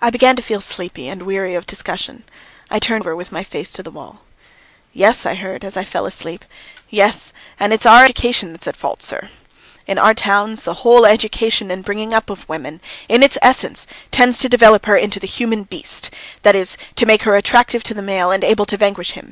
I began to feel sleepy and weary of discussion. I turned over with my face to the wall. "Yes," I heard as I fell asleep "yes, and it's our education that's at fault, sir. In our towns, the whole education and bringing up of women in its essence tends to develop her into the human beast that is, to make her attractive to the male and able to vanquish him.